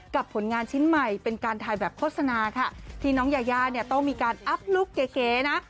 ผลงานชิ้นใหม่เป็นการถ่ายแบบโฆษณาค่ะที่น้องยายาเนี่ยต้องมีการอัพลุคเก๋นะ